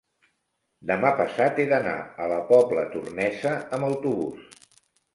Demà passat he d'anar a la Pobla Tornesa amb autobús.